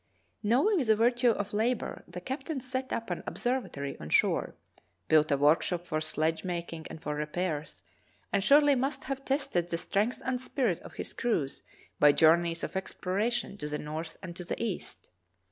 Knowing the virtue of labor, the captain set up an observatory on shore, built a workshop for sledge making and for repairs, and surely must have tested the strength and spirit of his crews by journeys of explora tion to the north and to the east.